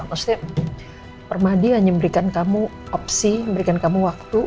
maksudnya permadi hanya memberikan kamu opsi memberikan kamu waktu